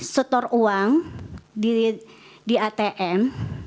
setor uang di atm